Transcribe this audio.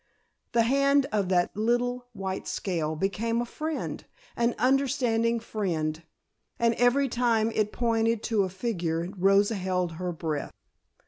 The hand of that little white scale became a friend, an understanding friend, and every time it pointed to a figure Rosa held her breath.